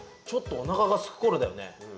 ちょっとおなかがすくころだよね。